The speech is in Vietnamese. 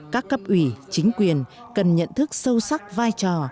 các cấp ủy chính quyền cần nhận thức sâu sắc vai trò